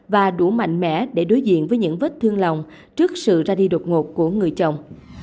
và đủ mạnh mẽ để đối diện với những vết thương lòng trước sự ra đi đột ngột của người chồng